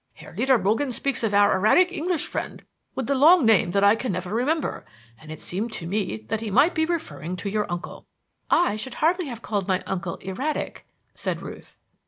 Herr Lederbogen speaks of 'our erratic English friend with the long name that I can never remember,' and it seemed to me that he might be referring to your uncle." "I should hardly have called my uncle erratic," said Ruth.